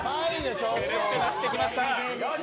苦しくなってきました。